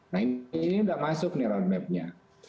nah ini udah masuk nih roadmapnya